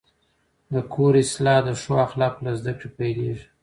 د کور اصلاح د ښو اخلاقو له زده کړې پیلېږي.